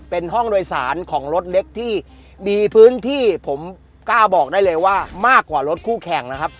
เป็นห้องโดยสารของรถเล็กที่มีพื้นที่ผมกล้าบอกได้เลยว่ามากกว่ารถคู่แข่งนะครับ